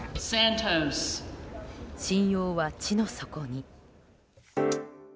信用は地の底に。